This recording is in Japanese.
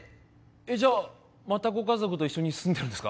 じゃあまた家族と一緒に住んでるんですか？